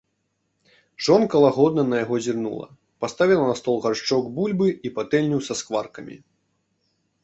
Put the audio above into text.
Жонка лагодна на яго зірнула, паставіла на стол гаршчок бульбы і патэльню са скваркамі.